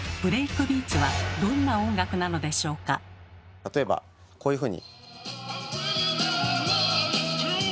例えばこういうふうに。